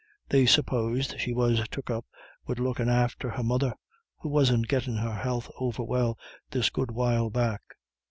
They supposed she was took up wid lookin' after her mother, who wasn't gettin' her health over well this good while back.